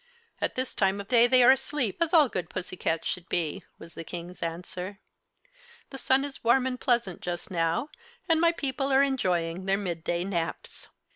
"At this time of day they are asleep, as all good pussycats should be," was the King's answer. "The sun is warm and pleasant just now, and my people are enjoying their mid day naps."